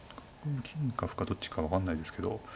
金か歩かどっちか分かんないですけど。